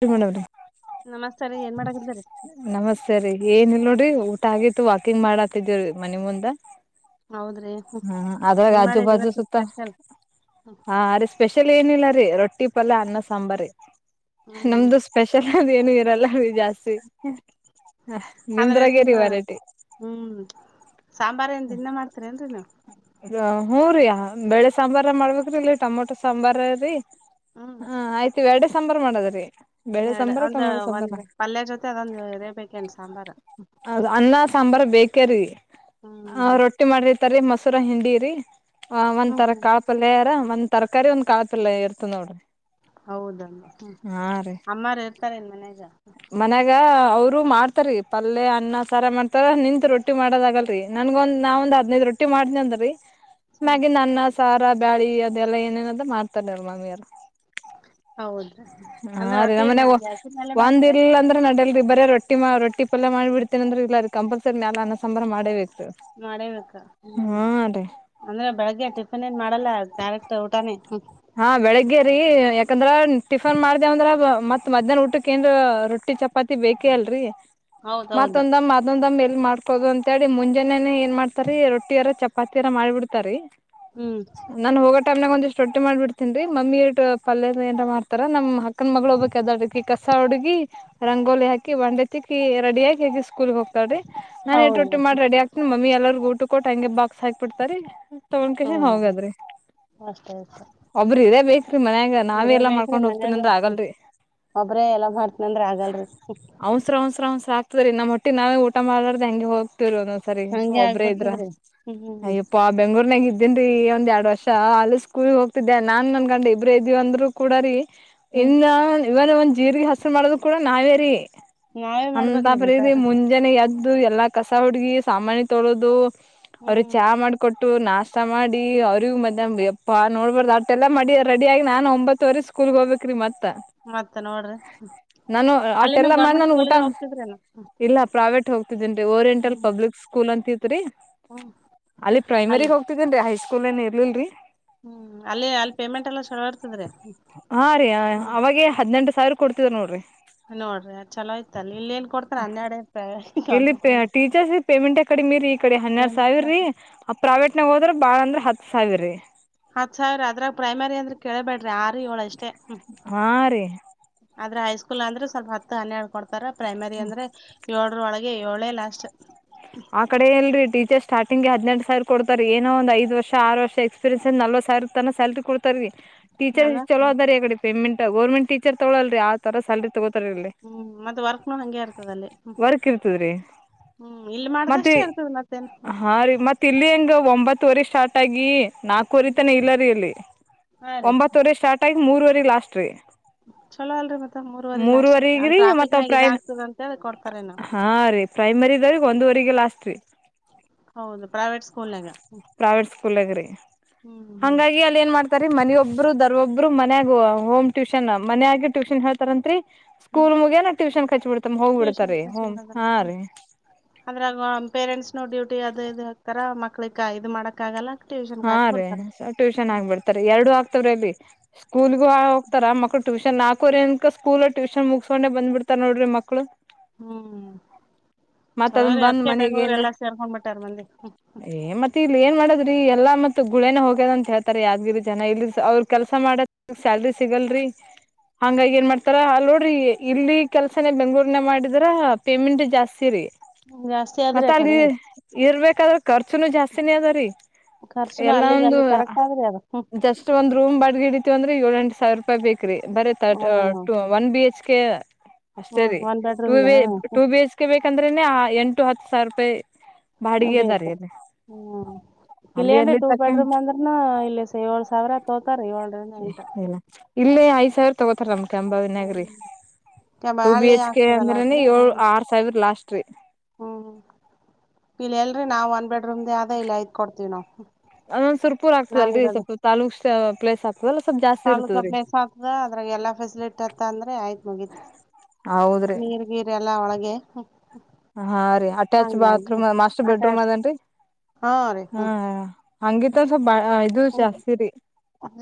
ತಿಡ ರೀ [unintelligible] ನಮಸ್ತೆ ರೀ ಏನ್ ಮಾಡಕದಾರ ಸರಿ ಏನಿಲ್ಲ ನೋಡ್ರಿ ಊಟ ಆಗಿತ್ತು ವಾಕಿಂಗ್ ಮಾಡಾತಿದೀವೀ ಮನನೆ ಮುಂದ ಹೌದ್ರೀ ಹ್ಮ ಅದ್ರಾಗ ಅಜ್ಜು ಬಾಜು ಸುತ್ತ ಹ ಅರ ಸ್ಪೆಷಲ್ ಏನಿಲ್ಲ ರೀ ರೊಟ್ಟಿ ಪಲ್ಲ ಅನ್ನ ಸಾಂಬಾರಿ ಹ್ಮ್ ನಮ್ದು ಸ್ಪೆಷಲ್ ಅದು ಏನು ಇರಲ್ಲ ಜಾಸ್ತಿ ಆದ್ರ ನಿಮ್ಮ ನಿಮ್ದ್ರಗೇರಿ ವೆರೈಟಿ ಹ್ಮ್ ಸಾಂಬಾರ ಏನ್ ದಿನ ಮಾಡ್ತೀರ ನ್ರಿ ನೀವ್ ಹೂ ರೀ ಬೆಳೆ ಸಾಂಬಾರ ಮಾಡ್ಬೇಕೇರೀ ಇಲ್ಲ ಟೊಮೊಟೊ ಸಾಂಬಾರ ರೀ ಹ್ಮ್ ಹಾ ಆಯ್ತ ಎರಡೇ ಸಾಂಬಾರ್ ಮಾಡದ್ರಿ. ಬೇಳೆ ಎರಡೆ ಸಾಂಬಾರ ಒಂದ್ ಟೊಮೊಟೊ ಸಾಂಬಾರ ಒಂದ್ ಪಲ್ಯ ಜೊತೆ ಅದೊಂದು ಇರಾಬೇಕನು ಸಾಂಬಾರ್ ಹೌದು ಅನ್ನ ಸಾಂಬಾರ್ ಬೇಕೆರೀ ಹಾ ಆ ರೊಟ್ಟಿ ಮಾಡ್ರಿತರಿ ಮೊಸೂರ ಹಿಂಡಿರಿ ಆ ಹ್ಮ್ ಒಂತರ ಹ್ಮ್ ಕಾತ್ ಪಲ್ಯರೆ ಒಂದ್ ತರಕಾರಿ ಒಂದ್ ಕಾಳ್ ಪಲ್ಯ ಇರ್ತದ್ ನೋಡ್ರಿ ಹೌದ ಹ್ಮ ಹಾ ರೀ ಅಮ್ಮಾರ್ ಇರ್ತಾರೆ ಇನ್ ಮನ್ಯಗಾ ಮನ್ಯಾಗ ಅವರು ಮಾಡ್ತಾರೀ ಪಲ್ಯ ಅನ್ನ ಸಾರ ಮಾಡ್ತಾರ ನಿಂತ್ ರೊಟ್ಟಿ ಮಾಡೋದಗಲ್ಲರೀ ನನ್ಗ ಒಂದ ನಾ ಒಂದ್ ಹದಿನೈದು ರೊಟ್ಟಿ ಮಾಡ್ದನೀ ಅಂದೀ ಅನ್ನ ಸಾರಾ ಬಳಿ ಅದೆಲ್ಲ ಏನೇನಾದ ಮಾಡ್ತಾರಾರೆಲ್ಲ್ಲ ಮಮ್ಮಿ ಅವ್ರು ಹೌದ ಹಾ ರೀ ನಮ್ಮ ಮನೆಗ ಒಂದ ಇಲ್ಲ ಅಂದ್ರೆ ನಡಲ್ರಿ ಬರೇ ರೋಟಿ ರೊಟ್ಟಿ ರೊಟ್ಟಿ ಪಲ್ಯ ಮಾಡಿ ಬಿಡ್ತೇನ ಅಂದ್ರ ಇಲ್ಲ ಅದಿಕ್ಕೇ ಕಂಪಲ್ಸರಿ ಅನ್ನ ಸಂಬಾರ್ ಮಾಡೇಲೆಬೇಕು ಮಾಡೆಬೇಕು ಅಂದ್ರೆ ಬೆಳಗ್ಗೆ ಟಿಫಿನ್ ಏನು ಮಾಡಲ್ಲ ಡೈರೆಕ್ಟ್ ಊಟಾನೇ ಹಾ ಬೆಳಿಗ್ಗೆ ರೀ ಯಾಕಂದ್ರ ಟಿಫನ್ ಮಾಡ್ದೇವ ಅಂದ್ರ ಮತ್ ಮಧ್ಯಾಹ್ನ ಊಟಕ್ಕೆ ಯಾಕಂದ್ರ ರೊಟ್ಟಿ ಚಪಾತಿ ಬೇಕೇ ಅಲ್ರರಿ ಹೌದೌದು ಮತ್ತೊಂದ ಇನ್ನದೊಂಬೆ ಎಲ್ ಮಾಡ್ಕೋದು ಅಂತೇಳಿ ಮುಂಜಾನನೆ ಏನ್ ಮಾಡ್ತಾರಿ ರೊಟ್ಟಿಯಾರ ಚಪಾತಿಯರ ಮಾಡ್ಬಿಡ್ತಾರಿ ಹ್ಮ್ ನನ್ ಹೋಗ ಟೈಂನಗ ಒಂದಿಷ್ಟು ರೊಟ್ಟಿ ಮಾಡ್ಬಿಡ್ತೀನ್ ರೀ ಮಮ್ಮಿರ ಪಲ್ಯ ಎನ್ನರ ಮಾಡ್ತಾರ ನಮ್ ಅಕ್ಕನ್ ಮಗಳು ಒಬ್ಬಕಿ ಅದಾಳರಿ ಅಡ್ಕಿ ಕಸ ಹುಡುಗಿ ರಂಗೋಲಿ ಹಾಕಿ ಬಂದಿಕ್ಕಿ ರೆಡಿ ಆಗಿ ಆಕಿ ಸ್ಕೂಲ್ಗೆ ಹೋಗ್ತಾಳೆ ನನ್ ಎದ್ದು ಹೌದ ರೊಟ್ಟಿ ಮಾಡಿ ರೆಡಿ ಆಗ್ತನಿ ಮಮ್ಮಿ ಎಲ್ಲಾರ್ಗ ಊಟ ಕೊಟ್ಟ ಹಂಗಗೆ ಬಾಕ್ಸ್ ಹಾಕ್ ಬಿಡ್ತರಿ ತಗೊಂಡಕೇಶನ್ ಹೌದ ಹೋಗಾದ್ರಿ ಅಷ್ಟೇ ಅಷ್ಟೇ ಬೇಕ್ರಿ ಮನ್ಯಾಗ ನಾವೇ ಎಲ್ಲಾ ಇರಬೇಕ್ರಿ ಮಾಡ್ಕೊಂಡ್ ಹೋಗ್ತೀನ ಮನೆಯಗಾ ಅಂದ್ರ ಆಗಲ್ರಿ ಒಬ್ರೇ ಎಲ್ಲಾ ಮಾಡ್ತೀನಿ ಅಂದ್ರೆ ಆಗಲ್ರಿ ಅವಸ್ರ ಅವಂಸ್ರ ಅವಸರ ಆಗ್ತಾದ್ರಿ ನಮ್ಮಟ್ಟ ನಾವ ಊಟ ಮಾಡಲಾರದೇ ಹಾಗೆ ಹೋಗತವೀ ಒಂದೊಂದು ಸತಿ ಸರಿ ಹಂಗೆ ಒಬ್ರೇ ಇದ್ರ ಆಗ್ಬಿಡ್ತದ್ರಿ ಹ್ಮ್ ಹ್ಮ್ ಹ್ಮ್ ಅಯ್ಯಪ್ಪ ಬೆಂಗಳೂರುರ್ನಾಗ ಇದ್ದೀನ್ರಿ ಒಂದ್ ಎರಡ್ ವರ್ಷ ಆಲಸ್ ಸ್ಕೂಲ್ಗೆ ಹೋಗ್ತಿದ್ದೆ ನಾನ್ ನನ್ನ ಗಂಡ ಇಬ್ಬರೇ ಇದೀವಿ ಅಂದರು ಕೂಡ ರೀ ಇ ಹ್ಮ್ ಇವಾಗ ಒಂದ್ ಜೀರ್ರಿಗೆ ಮಾಡದು ಕೂಡ ನಾವೇ ರೀ ನಾವೇ ಅಂತ ಮಾಡ್ಬೇಕ್ರಿ ಮತ್ತ ಪ್ರರೀತಿ ಮುಂಜಾನೆ ಎದ್ದು ಎಲ್ಲಾ ಕಸ ಹುಡುಗಿ ಸಾಮಾನಿ ತೊಳೋದು ಅವ್ರ ಹ್ಮ್ ಚಾ ಮಾಡಿಕೊಟ್ಟಿ ಕೊಟ್ಟಿ ನಷ್ಟ ಮಾಡಿ ಅವ್ರಿಗೆ ಮಧ್ಯಹ್ನ ಹಾ ನೋಡ್ಬಾರ್ದ್ ಅಟ್ಟೆಲ್ಲ ಮಾಡಿ ರೆಡಿ ಆಗಿ ನಾನ್ ಒಂಬತ್ತ್ತುವರೆ ಸ್ಕೂಲ್ಗ್ ಹೋಗ್ಬೇಕ್ರಿ ಮತ್ ಮತ್ತ ನೋಡ್ರಿ ನಾನು ಅಲ್ಲಿನೂ ಆಟೆಲ್ಲಾ ಮಾಡಿ ನಾನು ಊಟ ಗೆ ಹೋಗ್ತಿದ್ರೇನ? ಇಲ್ಲ ಪ್ರಾವೇಟ್ ಹೋಗ ನ್ರಿ ಓರಿಯಂಟಲ್ ಹ್ಮ್ ಪಬ್ಲಿಕ್ ಸ್ಕೂಲ್ ಅಂತತ್ರಿ ಹ್ಮ್ ಅಲ್ಲಿ ಪ್ರೈಮರಿ ಹೋಗ್ ಹಗಂದ್ರೀ ಹೈ ಸ್ಕೂಲ್ ಏನ್ ಇರ್ಲಿರಿ ಹ್ಮ್ ಅಲ್ಲಿ ಅಲ್ಲಿ ಪೇಮೆಂಟ್ ಎಲ್ಲ ಚಲೋ ಇರ್ತದ್ರೀ ಹಾ ರೀ ಅವಾಗ ಹದ್ನೆೆಂಟ ಸಾವಿರ ಕೊಡ್ತಿದ್ರು ನೋಡ್ರಿ ನೋಡ್ರಿ ಚಲೋಆಯ್ತೆ ಅಲ್ಲಿ ಇಲ್ಲಿ ಏನ್ ಕೊಡ್ತ ಇಲ್ಲಿ ಟೀಚರ್ಸ್ ಪೇಮೆಂಟ್ ಕಡಿಮೀ ರೀ ಈ ಕಡೆ ಹನ್ನೆರಡು ಸಾವಿರರೀ ಆ ಪ್ರೈವೇಟ್ನಾಗ ಹೋದ್ರೆ ಬಾಳ ಅಂದ್ರೆ ಹತ್ ಸಾವಿರರಿ ಹತ್ ಸಾವಿರ ಅದ್ರಾಗ ಪ್ರೈಮರಿ ಅಂದ್ರೆ ಕೇಳಬೇಡ್ರಿ ಆರು ಏಳು ಅಷ್ಟೇ ಹಾ ರೀ ಆದ್ರೆ ಹೈಸ್ಕೂಲ್ ಅಂದ್ರೆ ಸ್ವಲ್ಪ ಹತ್ತು ಹನ್ನೆರಡು ಕೊಡ್ತಾರ ಪ್ರೈಮರಿ ಅಂದ್ರೆ ಏಳೋರ ಒಳಗೆ ಏಳೇ ಲಾಸ್ಟ್ ಆ ಕಡೆ ಎಲ್ ರರಿ ಟೀಚರ್ ಸ್ಟಾರ್ಟಿಂಗ್ ಹದ್ ಸಾವರ್ ಕೊತಾರೆ ಏನೋ ಒಂದ ಐದ ವರ್ಷ ಆರು ವರ್ಷ ಎಕ್ಸ್ ಸ ಸಲ್ ಟೀಚರ್ ಅಲಾ ಚಲೋ ಅದಾರಿಡೆ ಪೇಮೆಂ ಗರ್ಮೆಟ್ ಟೀಚರ್ ತಗೊಳಲ್ರಿ ಆ ತರ ಸಲ್ರಿ ತಗೋತಾರರಿ ಹ್ಮ್ ಮತ್ತ ವರ್ಕ್ ಹಂಗೆ ಇರ್ತದ ಅಲ್ಲಿ ಹ್ಮ್ ವರ್ಕ್ ಇರ್ತದ್ರಿ ಹ್ಮ್ ಇಲ್ಲಿ ಮತ್ತೆ ಮಾಡ್ದಷ್ಟೇ ಇರ್ತದ ಮತ್ತೇನ್ ಹ್ಮ ಹಾ ರೀ ಮತ್ತೆ ತಿಲ್ಲಿ ಹಂಗೆ ಒಂಬತ್ತುವರೆ ಸ್ಟಾರ್ಟಾಗಿಿ ನಾಕುವರೆ ತನ ಇಲ್ಲ ರೀ ಇಲ್ಲಿ ಹಾ ರೀ ಒಂಬತ್ತುವರೆ ಸ್ಟಾರ್ಟ್ ಆಯ ಮೂರ್ವರೆ ಲಾಸ್ಟ್ ರೀ [unintelligible] ಚಲೋ ಅಲ್ರಿ ಮತ್ತೆ ಮೂರ್ವರಿ ಲಾಸ್ಟ್ ಅ ಅ ಮೂರವರೆಗ್ರೀ ಮತ್ತ ಟ್ರಾಫಿಕ್ ನಾಗ ಪ್ರೈ ಇದ ಆಗ್ತದ ಅಂತಿ ಕೊಡ್ತಾರೆ ನ ಪ್ರೈಮರಿದವ್ರ ಒಂದುವರೆಗೆ ಲಾಸ್ಟ್ ರೀ ಹೌದು ಪ್ರೈವೇಟ್ ಸ್ಕೂಲ್ನಾಗ ಪ್ರೈವಟ್ ಸ್ಕೂಲ್ಗ್ರಿ ಹ್ಮ್ ಹ್ಮ್ ಹಾಗಿ ಅ ಏನ್ ಮಾಡ್ತಾರಿ ಮನಿಯೊಬ್ರು ದರ್ ಒೊಬ್ರು ಮನ್ಯಾಗ ಹೋಮ್ ಟ್ಯೂಷನ್ ಮನ್ಯಗ ಟ್ಯೂಷನ್ ಹೇಳ್ತಾರಂತ್ರಿ ಹ್ಮ್ ಸ್ಕೂಲ್ ಮುಗ್ಯನ ಟ್ಯೂಷನ್ ಕಚ್ ಬಿಡ್ತ ಹೋಗ್ಬಿಡ್ತ ಟ್ಯೂಷನ್ ರೀ ಹ್ ಹಾ ರೀ ಅಂದ್ರ ಪೇರೆಂಟ್ಸ್ ನ ಡ್ಯೂಟಿ ಅದು ಇದು ಹಾಕ್ತಾರ ಮಕ್ಳಕ್ ಇದು ಮಾಡಕ್ ಆಗಲ್ಲ ಟ್ಯೂಷನ್ಗೆ ಹಾ ಹಾಕಿ ರೀ ಬಿಡ್ತಾರ ಟ್ಯೂಷನ್ ಹ್ಮ್ ಆಗ್ಬಿಡ್ತಾರೆ ಎರಡು ಆಗ್ತವ್ರೆ ಅಲ್ಲಿ ಸ್ಕೂಲ್ಗೂ ಹೋಗತಾರ ಮಕ್ಳು ಟ್ಯೂಷನ್ ನಾಕೂವರೆ ಅನಕ ಸ್ಕೂಲ್ ಟ್ಯೂಷನ್ ಮುಗಸಕೊಂಡ ಬ್ಬ ಬಿಡ್ತಾರ ನೋಡ್ರ ಮಳು ಹ್ಮ್ ಮತ್ ಚಲೋ ಅದನ್ ರೀ ಬಂದ್ ಅದ್ಕ್ಕೆ ಮನಗ ಬೆಂಗ್ಳೂರು ಏನ್ರ ಎಲ್ಲಾ ಸೇರ್ಕೊಂಡ್ಬಿಟ್ಟಾರ್ ಮಂದಿ ಮ ಇಲ್ಲಿ ಏನ್ ಮಾಡದ್ರೀ ಎಲ್ಲಾ ಮತ್ತ ಗುಳೇನ ಹೋಗ್ಯದ ಅಂತ ಹೇಳ್ತಾರೆ ಯಾದ್ಗಿರಿ ಜನ ಇಲ್ಲಿ ಅವ್ರ ಕೆಲಸ ಮಾಡ ಸ್ಯಾಲ್ರಿ ಸಿಗಲ್ರಿ ಹಂಗಾಗಿ ಏನ್ ಮಾಡ್ತಾರ ಅ ನೋಡ್ರಿ ಇಲ್ಲಿ ಕೆಲ್ಸನ ಬೆಂಗ್ಳೂರ್ನ ಮಾಡಿದ್ರ ಪೇಮೆಂಟ್ ಜಾಸ್ತಿ ಸರಿ ಜಾಸ್ತಿ ಆದ್ರಿ ಮತ್ತ ಆ ಕಡೆ ಅಲ್ಲಿ ಇರ್ಬೇಕಾದ್ರೆ ಖರ್ಚುನು ಜಾಸ್ತಿನೇ ಅದ ರೀ ಖರ್ಚುನು ಎಲ್ಲ ಅಲ್ಲಿಗೆ ಒಂದು ಅಲ್ಲಿ ಕರೆಕ್ಟ್ ಆದ್ರಿ ಅದು ಷ್ಟ ಒಂದ್ ರೂಮ್ ಬಡ್ಗಿಡಿತವಿ ಅಂದ್ರೆ ಏಳು ಎಂಟು ಸಾವಿರ ರೂಪಾಯಿ ಬೇಕಿ ಬ್ರೀ ತ ಹ್ಮ್ ಒನ್ ಬಿ ಎಚ್ ಕೆ ಅಷ್ಟೇ ಹ ರರಿ ಒಂದ್ ಬೆಡ್ರೂಮ್ದ ಟ ಟೂ ಬಿ ಎಚ್ ಕೆ ಬೇಕಂದ್ರೆನೆ ಎಂಟು ಹತ್ತು ಸಾವಿರ ರೂಪಾಯಿ ಅಡುಿಗೆದಾರನೆ ಹ್ಮ ಇಲ್ಲ ಏನ್ರ ಟೂ ಬೆಡ್ರೂಮ್ ಅಂದ್ರನು ಇಲ್ಲಿ ಏಳ್ ಏಟ ಸಾವಿರ ತೋತಾರ ಏಳ್ರ ಎಂಟ ಇಲ್ಲೇ ಆಯ್ ಸರ್ ತೋತ ನಮ ಕೆಂಬಾವಿನಗರಿ ಹ್ಮ್ ಬಿ ಬಾಳಿ ಎಚ್ ಕೆ ಆಗ್ತದಲ್ಲ ಆ ಅಂದ್ರ ಕಡೆ ಏ ಹ್ಮ್ ಆರ್ ಸೈಬರ್ ಲಾಸ್ಟ್ ರೀ ಹ್ಮ್ ಇಲ್ಲ ಎಲ್ರರಿ ನಾವ್ ಒಂದ ಬೆಡ್ರೂಮ್ದ ಆದ ಇಲ್ಲ ಐ್ ಕೊಡ್ತೀವ ನ ಅದ ಸುರಪುರ ರ್ಆಗ್ತದಲ್ಲರರಿ ಸ್ವಲ್ ತಾಲುಕ್ ಪ್ಲೇಸ್ ಆಗ್ತದಲ್ಲ ಸ್ವಲ್ಪ ಜಾಸ್ತಿ ತಾಲೂಕ ಇರ್ತದ್ರಿ ಪ್ಲೇಸ್ ಆಗ್ತದ ಅದ್ರಾಗ ಎಲ್ಲ ಫೆಸಿಲಿಟಿ ಆತ್ತ ಅಂದ್ರೆ ಆಯ್ತ್ ಮುಗೀತತ್ ಹೌದ್ರಿ ನೀರ್ ಗೀರೆ ಎಲ್ಲಾ ಒಳಗೆ ಹಾ ರೀ ಅಟ್ಯಾಚ್ ಹಂಗಾಗಿ ಬಾತ್ರೂಮ್ ಅ ಮಾಸ್ಟರ್ ಬೆಡ್ರೂಮ್ ಅಟ್ಯಾಚ್ ಅದೇನ್ರಿ ಹಾ ರೀ ಹ್ಮ್ ಹಂಗಿತ ಸ್ವಲ್ಪ ಬಾ ಇದು ಜಾಸ್ತಿ ರರಿ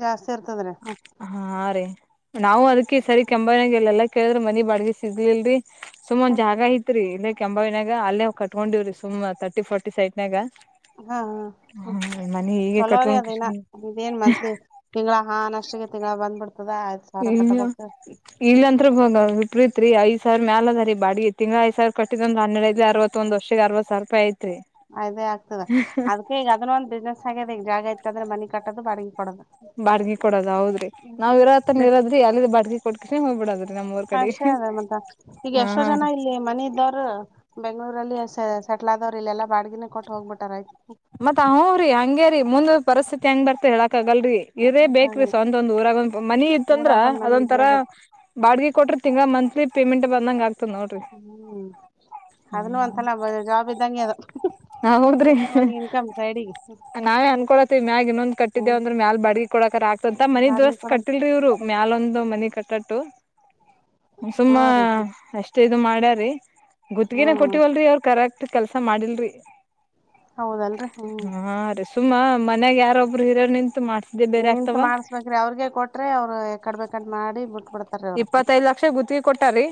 ಜಾಸ್ತಿ ಇರ್ತದ್ರಿ ಹ್ಮ್ ಹಾ ರರಿ ನಾವು ಅದಕ್ಕೆ ಸರಿ ಕೆಂಬನಾಗ ಎಲ್ಲ ಎಲ್ಲಾ ಕೇಳಿದ್ರೆ ಮನಿ ಬಾಗ ಸಿಗ್ಲಿಲ್ರರಿ ಸುಮಾನ್ ಹ್ಮ್ ಜಾಗ ಐತ್ರಿ ಇ ಕೆಂಬವಿನಾಗ ಅಲ್ಲೇ ಕಟ್ಕೊಂಡಿವವ್ರಿ ಸುಮ್ಮ್ ತರ್ಟಿ ಫಾರರ್ಟಿ ಸೈಟ್ನಾಗ ಹಾ ಹಾ ಹ್ಮ ಹ ಮನಿ ಹೀಗೆ ಚಲೋ್ರೆ ಕಟ್ಕೊಂಡ್ ಅದನ ಕಿಶನ್ ಇದೇನ್ ಮತ್ಲಿ ತಿಂಗಳ ಹಾನ್ ಅಷ್ಟಿಗೆ ತಿಂಗಳ ಬಂದ್ಬಿಡ್ತದೆ ಆಯ್ ಸಾವಿರ ಕಟ್ಟಬು ಇಲ್ಲ ಅಂತ್ ಬ ಪ್ರೀತ್ರಿ ಐದ ಸಾವಿರ ಮ್ಯಾಲ ಅದ ರೀ ಬಾಡಿ ಎತ್ತ ತಿಂ ಐ ಸಾವರ ಕಟ್ಟಿದ ಒ ಹೆಡ್ ಅವ ಒಂದ ವರ್ಷ ಅವ ಸಾವಿ ರೂಪಾಯ ಐತ್ರಿ [unintelligible] ಅದೇ ಆಗ್ತದೆ ಅದ್ ಈಗ ಅದನ್ನ ಒಂದ್ ಬಿಸ್ನೆಸ್ ಆಗ್ಯದ ಈಗ ಜಾಗ ಇತ್ತಂದ್ರೆ ಮನಿ ಕಟ್ಟೋದು ಬಡಗಿ ಕೊಡದು ಬಾಗಿ ಕೊಡದ ಹೌದ್ರಿ ನಾವ್ ಇರತ್ತನ ಇರೋದ್ರಿ ಅಲ್ಲಿ ಬಾಡ್ಗ ಕೊಟ್ಕೆ ಹೋಗ್ಬಿಡದ್ರೀ ನಮ್ಮ ಊರ್ ಕಡೆಗೆ ಅಷ್ಟೇ ಹಾ ರೀ ಮನ ಇದ್ದವ್ರ ಬೆಂಗ್ಳೂರಲ್ಲಿ ಸೆಟ್ಲ್ ಆದವ್ರ ಇಲ್ಲ ಎಲ್ಲಾ ಬಾಡಗಿನ ಕೊಟ್ಟು ಹೋಗ್ಬಿಟ್ಟಾರ ಆಯ್ತು ಮತ್ತತ್ ಹ್ ರರಿ ಹಂಗೇರಿ ಮುಂದ ಪರಿಸ್ಥಿತಿ ಹೆಂಗ್ ಬರ್ತ ಹೇಳಕ್ ಆಗಲ್ರರಿ ಇರೇ ಬೇಕ್ರೀ ಬೇಕಾಗಲ್ಲ ಸ್ ಒಂತೊಂದ್ ಊರಾಗ ಒಂದ ಮನಿ ಇತ್ತಂದ್ರ ಊರಾಗ ಒಂದ್ ಮನಿ ಇದ್ರೆ ಅದೊಂತರಾ ಬೇಕು ಬಾಡಿಗೆ ಕೊಟ್ಟ್ರೆ ತಿಂಗಾ ಮಂತ್ಲಿ ಪೇಮೆಂಟ್ ಬಂದಂಗಗೆ ಆಗ್ತಿ ಹ್ಮ್ ಅದನ್ನು ಅಂತ ನ ಜಾಬ್ ಇದ್ದಂಗೆ ಅದು ಹ ಹೌದ್ರಿ ಇನ್ಕಮ್ ಸೈಡ್ ಗೆ ನಾವೇ ಅನ್ಕೊಳತಿವಿ ಮ್ಯಾಗ ಇನ್ನೊಂದ ಕಟ್ಟಿದ್ದೆ ಹ್ಮ್ ಅಂದ್ರ ಮ್ಯಾಲ ಬಡಗಿ ಕೊಡಕರ ಆಗ್ತಂತ ಮನಿ ಬಾಡಿಗೆ ದೋಸ್ ಕೊಡಕ್ ಕಿಲ್ರಿ ಇ್ರು ಮ್ಯಾಲೊಂದು ಮನಿ ಕಟ್ಟಟ್ಟು ಸುಮ್ಮ ಹ್ಞೂ ರೀ ಎಷ್ಟ ಇ ಮಾಡ್ಯಾರಿ ಗತ್ಗಿನ ಹ್ಮ್ ಕೊಟ್ಟಿವಲ್ರಿ ಅವ್ರರು ಕರಕ್ತ ಕೆಲ್ಸಾ ಮಾಡಿಲ್ರಿ ಹೌದಲ್ರಿ ಹ್ಮ ಹಾ ರೀ ಸುಮ್ಮಾ ಮನ್ಯಾಗ ಯಾರೊಬ್ರು ಹಿರೋ ನಿಂತು ಮಾಡ್ತ ನಿಂತು ಮಾಡ್ಸ್ಬೇಕ್ರೀ ಅವ್ರಿಗೆಗೆ ಕೊಟ್ರೆ ಅವ್ರು ಎಕಡ್ ಬೇಕಡ್ ಮಾಡಿ ಬಿಟ್ಬಿಡ್ತಾರೆ ಇಪ್ಪತ್ತೈ ಲಕ್ಷ ಗುತ್ತಿಗೆ ಕೊಟ್ಟಾರೀ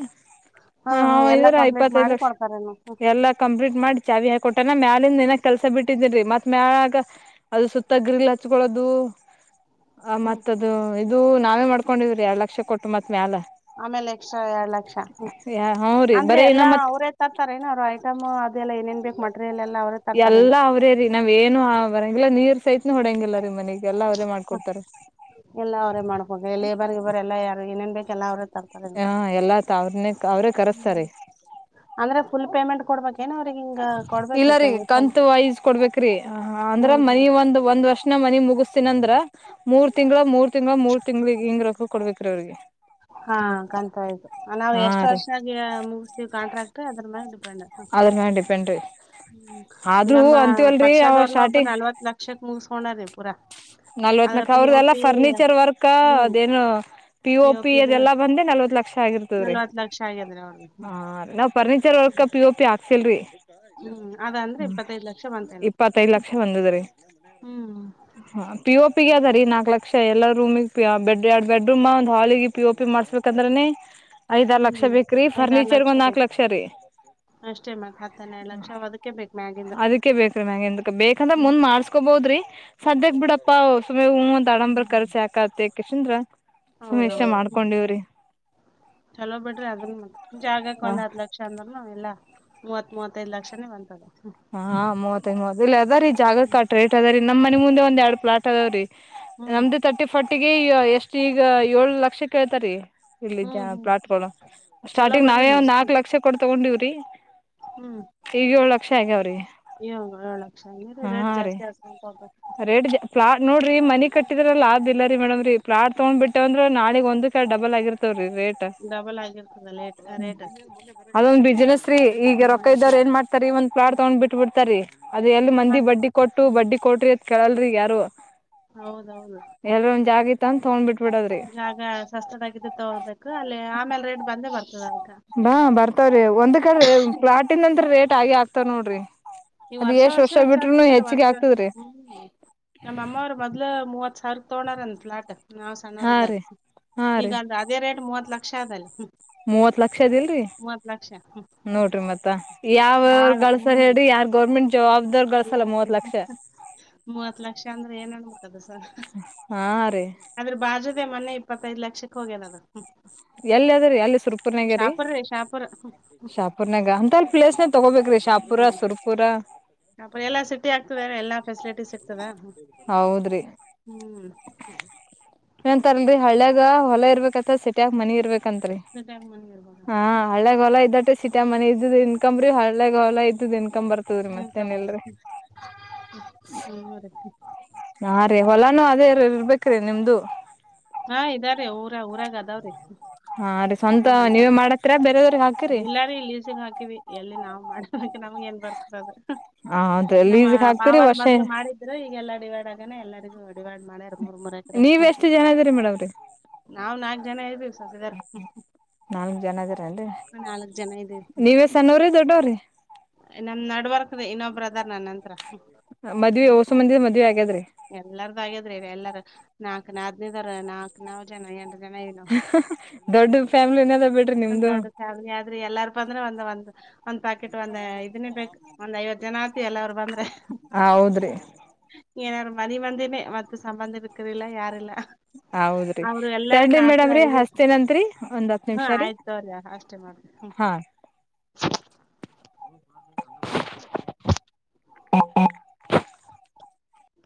ಹಾ ಹಾ ಎಲ್ಲಾ ಕಂಪ್ಲೀಟ್ ಮಾಡಿ ಕೊಡ್ತಾರೆ ನ ಎಲ್ಲಾ ಕಂಪ್ಲೀಟ್ ಮಾಡಿ ಚಾವಿ ಹಾಕಿ ಕೊಟ್ಟನ ಮ್ಯಾಲಿಂದ ನಕ್ ಕೆಲ್ಸ ಬಿಟ್ಟಿದಿರಿ ಮತ್ ಮ್ಯಾಲಾಗ ಅದು ಸುತ್ತ ಗ್ರಲ್ ಹಚ್ಕೊಳ್ಳೋದು ಆ ಹ್ಮ್ ಮತ್ತದು ಇದು ನಾವೇ ಮಾಡ್ಕೊಂಡಿದ್ರಿ ಎರ್ ಲಕ್ಷ ಕೊಟ್ಟು ಮತ್ ಮ್ಯಾಲ ಆಮೇಲೆ ಎಕ್ಸ್ಟ್ರಾ ಎರಡ್ ಲಕ್ಷ ಹ್ಮ ರೀ ಅಂದ್ರೆ ಬರೇ ಇನ್ನ ಎಲ್ಲಾ ಮತ್ ಅವ್ರ ತತ್ತತಾರೆಏನ ಅವ್ ಐಟಮ ಅದೆಲ್ಲ ಏೇನ್ ಬೇಕ ಮಟೀರಿಯಲ್ ಎಲ್ಲ ಅವ್ರ ಎಲ್ಲ ಅವ್ರೇ ರೀ ನಾವ್ ಏನು ಬರಂಗಿಲ್ಲ ನೀರ್ ಸೈತನ ಹೊಡಂಗಿಲ್ಲ ರೀ ಮನಗೆ ಎಲ್ಲ ಅವರೇ ಮಾಡ್ಕೊಡ್ತಾರೆ ಎಲ್ಲ ಅವರ ಮಾಡ್ಬೇಕ ಲೇಬರ್ಗೆ ಇಬರ್ ಎಲ್ಲ ಯಾರು ಏನೇನ್ ಬೇಕ ಎಲ್ಲ ಅವರೇ ತರ ಹಾ ಎಲ್ಲ ತ ಅವ್ರನೆೇ ಹ್ಮ ಅಂದ್ರೆ ಫುಲ್ ಪೇಮೆಂಟ್ ಕೊಡ್ಬೇಕೇನ ಅವ್ರಿಗೆ ಹಿಂಗ ಕೊಡ್ಬೇಕ ಇಲ್ಲ ಈಗ ರೀ ಇನ್ಕಮ್? ಕಂತ ವಾಯಜ ಕೊಡ್ಬೇಕ್ರೀ ಅಂದ್ರ ಹ್ಮ್ ಹ್ಮ್ ಮನಿ ಒಂದ್ ಒಂದ್ ವರ್ಷನ ಮನಿ ಮುಗಿಸಸ್ತನ ಅಂದ್ರ ಮೂರ್ ತಿಂಗಳ ಮೂರ್ ತಿಂಗಗಳಳ ಮೂರ್ ತಿಂಗ್ಳಿಗೆ ಹಿಂಗ ರೊಕ್ಕ ಕೊಡ್ಬೇಕ ರೀ ಅವ್ರಿಗೆ ಹಾ ಕಂತಾಯ್ತು ನಾವವು ಹಾ ಎಷ್ಟ್ ರೀ ವರ್ಷ ಆಗ ಮುಗಿಸತಿೀವಿ ಕಾಂಟ್ರಾಕ್ಟ್ ಅದ್ರ ಮ್ಯೆ ಡಿಪೆಂಡ್ ಡಿಪೆಂಡ ರ ಹ್ಮ ಈ ನಮ್ಮ ಅವ ಪರ್ಷದವ್ರನು ಒಬ್ಬರು ಸ್ಟಾರ್ಟಿಂಗ್ ನಲ್ವತ್ ಲಕ್ಷಕ್ ಮುಗಿಸಕೊಂಡಾರ್ರೀ ಪೂರಾ ನಲ್ವತ್ ಅಂದ್ರ ನಕ ಪಿ ಒ ಅವ್ರದಲ್ಲ ಪಿ ಫರ್ನಿಚರ್ ವರ್ಕ್ ಹ್ಮ್ ಅದೇನು ಪಿ ಒ ಪಿ ಅದೆಲ್ಲಾ ಬಂದ ನಲ್ವತ್ ಲಕ್ಷ ಆಗಿರ್ತದ್ರೀ ನಲ್ವತ್ ಲಕ್ಷ ಆಗ್ಯದ್ರಿ ಅವ್ರ್ದ furniture work P O P ಹಾಕ್ಸಲ್ ರರಿ ಹ್ಮ್ ಅದ ಅಂದ್ರೆ ಇಪ್ಪತ್ತೈದ್ ಲಕ್ಷ ಬಂತೆೇ ನ ಇಪ್ಪತ್ತೈದ್ ಲಕ್ಷ ಬಂದದ್ರಿ ಹ್ಮ್ ಹಾ ಪಿ ಒ ಪಿ ಅದ ರೀ ನಾಲ್ಕ್ ಲಕ್ಷ ಎಲ್ಲಾ ರೂಮಿಗೆ ಬೆಡ್ ಎರಡ್ ಬೆಡ್ರೂಮ್ ಒಂದು ಹಾಲಿಗೆ ಪಿ ಓ ಪಿ ಮಾಡ್ಸ್ಬೇಕಂದ್ರನನೆ ಹ [unintelligible] ಐದ್ ಅರ ಲಕ್ಷ ಬೇಕ ರೀ ಫರ್ನಿಚರ್ಗ ಒಂದ ನಾಲ್ಕಕ್ ಲಕ್ಷ ರೀ ಅಷ್ಟೇ ಮತ್ತ್ ಹತ್ತ್ ಹನ್ನೆರಡ್ ಲಕ್ಷ ಅದಕ್ಕೆ ಬೇಕ್ ಮ್ಯಾಗಿಂದ. ಅದಕ್ಕೆ ಬೇಕ್ರೀ ಮ್ಯ ಎಂತ ಬೇಕಂದ್ರೆ ಹ್ಮ್ ಮುಂದ್ ಮಾಡ್ಸ ಹಕೋಬೋದ್ರಿ ಸದ್ಯಕ್ ಬಿಡಪ್ಪಾ ಸುಮ್ ಹೂವ ಒ್ ಆಡಂಬರ್ ಹ್ಮ್ ಕರ್ಸಿ ಹಾಕತ್ತ ಯಕಶಂದ್ರ ಹೌದೌದು ಹ್ಮ ಚಲೋ ಬಿಡ್ರಿ ಅದನ್ ಮತ್ತ ಜಾಗಕ್ ಒಂದ್ ಹ ಲಕ್ಷ ಲಕ್ಷ ಅಂದ್ರ ನಾವ ಎಲ್ಲ ಮೂವತ್ ಮೂವತ್ತೈದ ಲಕ್ಷನೇ ಬಂತದೆ ಹಾ ಮೂವತ್ತೈಂಗ ಮೂವತ್ತ ಅದ ರೀ ಜಾಗ ಹ್ಮ್ ಕಾಟ ರೇಟ್ ಅದ ರೀ ನಮ್ಮ ಮನೆ ಮುಂದೆಂದ್ ಎಡರ ಫ್ಲಾಟ್ ಅದಾವ ರೀ ಹ್ಮ್ ನಮ್ದು ತರ್ಟಿ ಫಾರರ್ಟಿಗೆ ಎಷ್ಟು ಈಗ ಏಳ ಲಕ್ಷ ಕೇಳ್ತಾರಿ ಇಲ್ಲಿ ಹ್ಮ್ ಪ್ಲಾಟ್ಗಳು ಚಲೋ ಸ್ಟಾರ್ಟಿಂಗ್ ಬಿಡ್ರಿ ನಾವೇ ಮತ್ ಒಂದ್ ನಾಕ್ ಲಕ್ಷ ಕೊಟ ತಗೊಂಡಿವ್ರಿ ಈಗ ಒಳ ಏಳು ಲಕ್ಷ ಅಂಗಿ ರೀ ರೇಟ್ ಜಾಸ್ತಿ ಆಗ್ತಂತ ಹ ಪ್ಲಾಟರ ನೋಡ್ರಿ ಮನಿ ಕಟ್ಟಿದ್ರಲ್ಲ ಲಾಸ್ ಇಲ್ಲರೀ ಮೇಡಮ್ ರೀಫ್ಲಾಟ್ ತಗೊಂಡ್ ಬಿಟ್ಟೆ ಅದ್ರ ನಾಳ ಒಂದು ಕ ಡಬಲ್ ಆಗಿರ್ತವ ರೀ ರೇಟ್ ಡಬಲ್ ಆಗಿರ್ತದ ಲೇಟ್ ರೇಟ್ ಅದೊಂದ ಬಿಸಿನೆಸ್ ರೀ ಈಗ ರೊಕ್ಕ ಇದ್ದಾರ ಏನ್ ಮಾಡ್ ಒಂದ ಪ್ಲಾಟ್ ತಗೊಂಡ್ ಬಿಟ್ಟ ಬಿಡ್ತರಿ ಅದು ಎಲ್ಲಿ ಮಂದಿ ಬಡ್ಡಿ ಕೊಟ್ಟ ಬಡ್ಡಿ ಕೊಟ್ರಿ ಅತ್ ಕಳಲ್ರಿ ಯಾರು ಹೌದೌದು ಎಲ್ ಒಂದ ಜ ಆಗತ್ತ ಅಂತ ತಗೊಂಡ್ ಬಿಟ್ಬಿಡಲ್ ಈಗ ಸಸ್ತದಾಗಿದ್ದ ತಗೋಳ್ಬೇಕು ಅಲ್ಲಿ ಆಮೇಲೆ ರೇಟ್ ಬಂದೇ ಬರ್ತದ ಅದಕ ಬಾ ಬರ್ತಾವ್ರೀ ಒಂದ್ ಕಡೆ ಪ್ಲಾಟನ್ ಅಂದ್ರ ರೇಟ್ ಆಗಿ ಆಾಕ್ತಾವ ನೋಡ್ರಿ ನೀವು ಅದ್ ವರ್ಷ ಎಷ್ಟ್ ವರ್ಷ ಬಿಟ್ರುನು ಹೆಚ್ಚಾಗ್ತಂದ್ರ ಹೆಚ್ಚಿಗೆ ವರ್ಷ ಆಗ್ತದ್ರಿ ಹ್ಮ್ ನಮ್ಮಮ್ಮವ್ರ ಮೊದ್ಲು ಮೂವತ್ ಸಾವರ ತಗೊಂಡಾರ ಅಂದ ಫ್ಲಾಟ್ ನಾವ್ ಹಾ ರೀ ಸಣ್ಣವರಿಂದಾಕ್ ಹಾ ರೀ ಈಗಂದ ಇದೇ ರೇಟ್ ಮೂವತ್ ಲಕ್ಷ ಅದೀಗ ಮೂವತ್ ಲಕ್ಷ ಅದಿಲ್ರರಿ ನೋಡ್ರಿ ಮತ್ತ ಯಾವರು ಬಾಳ ಗಳಸಲ್ಲ ಹ್ಮ್ ಹೇಳಿ ಯಾರ್ ಗೌರ್ಮೆಂಟ್ ಜಾಬ್ದವರ್ ಗಳಸಲ್ಲ ಮೂವತ್ ಲಕ್ಷ ಮೂವತ್ ಲಕ್ಷ ಅಂದ್ರೆ ಏನ್ ಅನ್ಬೇಕದಸ ಹಾ ರೀ ಅದೇ ಬಾಜು ಮನೆ ಇಪ್ಪತ್ತೈದ್ ಲಕ್ಷಕ್ಕ ಹೋಗ್ಯನ ಅದು ಎಲ್ಲಿ ಅದ್ರೀ ಎಲ್ಲಿ ಸುರ್ಪುರ್ನಾಗ ರೀ ಶಾಪ ಹುರ್ನಗ ಅಂತ ಅಲ್ಲಿ ಪ್ಲೇಸ ತಗೋಬೇಕ ರೀ ಶಾಪುರ ಸುರ್ಪುರ ಅಪ್ರ ಎಲ್ಲಾ ಸಿಟಿ ಆಗ್ತದೆ ಎಲ್ಲಾ ಫೆಸಿಲಿಟೀಸ್ ಸಿಗ್ತದ ಹ್ಮ್ ಅಳ್ಯಾಗ ವಲಯ ಇರಬೇಕಂತ ಸಿಟ್ಯಾಗ ಮನಿ ಇರಬೇಕು ಅಂತರೀ ಸಿಟಿಯಾಗ ಮನಿ ಇರ್ಬೇಕ ಹಾ ಅಂತ ಹಳ್ಳೇಗ್ ಹೊಲ ಇದ್ದಟೆ ಸಿಟಾ ಮನೆ ಇದ್ದ್ದ ಇನ್ಕಂಬ್ರಿ ಹಳ್ಳೆಗ್ ಹೊಲಾ ಇದ್ದುನ್ಕ ಇನ್ಕಮ್ ಬರ್ತದ್ರೀ ಮತ್ತೇನಲ್ರಿ ಹವ ರ ನಾ ರೀ ಹೊಲಾನು ಅದೇ ಇರ್ಬೇಕ್ರೀ ನಿಮ್ದು ಹಾ ಇದಾರೆ ಊರ ಊರಾಗ ಅದಾವ್ರೀ ಹಾ ರೀ ಸ್ವಂತ ನಮ್ಮ ನೀವೇ ಮನೆಯವರು ಮಾಡತ್ರ ಬೇರೆದವ್ರಿಗೆ ನೀ ಹಾಕಿರಿ ಎಲ್ಲಾರೂ ಲೀಜಿಗೆ ಹಾಕಿವವಿ ಎಲ್ಲಿ ನಾವು ಮಾಡದಕ್ಕೆ ನಮಗೆ ಏನ್ ಬರ್ತದದು ಹ ಹೌದ್ರಿ ನಮ್ಮ ಲೀಸ್ಗ್ ಹಾಕ್ತಿರಿ ಮಾಾವಾರ ವರ್ಷ ಮದ್ಲು ಮಾಡಿದ ಇದ ಈಗಲ್ಲ ಡಿವೈಡ್ ಆಗನೆ ಎಲ್ಲರಿಗೂ ಡಿವೇ ಡ್ ಮಾಡ್ಯಾರ ಮೂರ್ ಮೂರ ಎಕರೆ ಜರಿ ಮೇಡಮ್ರೀ ನಾವ್ ನಾಲ್ಕ್ ಜನ ಇದ್ ನಾಲ್ಕ್ ಜನ ಅದ್ರನ್ರಿ ನಾಲ್ಕ್ ಜನಾ ಇದೀವಿ ನೀವೇ ಸ್ಣವ್ರಿ ದೊಡ್ಡವ್ರಿ ನಮ್ ನಡ್ವರ್ಕ್ದೆ ಇನ್ನೊ ಬ್ರದರ್ ನನ್ನಂತ್ರ ಮದ್ವೆೆ ಹೊಸ ಮಂದಿ ಮದವಿ ಆಗ್ಯಾದ್ರಿ ಎಲ್ಲಾರದು ಆಗ್ಯಾದ್ರಿ ಎಲ್ಲಾರ ನಾಕ್ನ ಆದ್ನದಾರ ನಾಕ್ ನಾವ್ ಜನ ಏನ್ ದೊಡ್ಡ ಫ್ಯಾಮಿಲಿನದ ಬಿಟ್ಟ ಒಂದ್ ದೊಡ್ಡ ಫ್ಯಾಮಿಲಿ ಆದ್ರಿ ಎಲ್ಲಾರ್ ಬಂದ್ರೆ ಒಂದ್ ಒಂದ್ ಒಂದ್ ಪ್ಯಾಕೆಟ್ ಒಂದ್ ಇದನ ಬೇಕು ಒಂದ್ ಐವತ್ತು ಜನ ಆತಿ ಎಲ್ಲ ಅವರು ಬಂದ್ರೆ ಹೌದ್ರಿ ಏನಾರು ಮನೀ ಮಂದಿನೇ ಮತ್ತ ಸಂಬಂಧಿಕರಿಲ್ಲ ಯಾರಿಲ್ಲ ಹೌದ್ರಿ ತಡ್ ಮೇಡಮ್ರರಿ ಐದು ಹಸ್ ಏನತ್ರಿ ಒಂದ್ ಹತ್ ನಿಮಿಷ ರೀ ಸರಿ ಅಷ್ಟೇ ಮಾಡ ಹ್ಮ ಹಾ [inaudible] ಹ್ಮ ಹ್ಮ